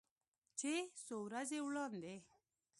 چې څو ورځې وړاندې